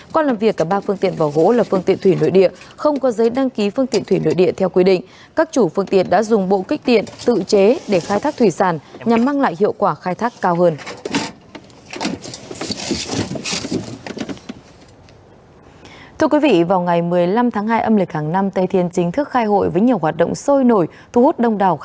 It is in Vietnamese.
còn làm việc cả ba phương tiện vỏ gỗ là phương tiện thủy nội địa không có giấy đăng ký phương tiện thủy nội địa theo quy định